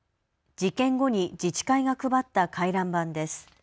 事件後に自治会が配った回覧板です。